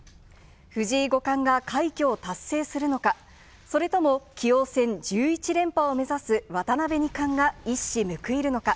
藤井五冠が快挙を達成するのか、それとも棋王戦１１連覇を目指す渡辺二冠が一矢報いるのか。